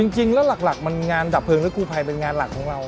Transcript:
จริงแล้วหลักมันงานดับเพิงและคู่ภัยเป็นงานหลักของเรา